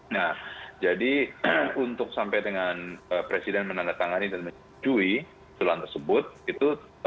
nah jadi untuk sampai dengan presiden menanggat tangan dan mencuri tulang tersebut itu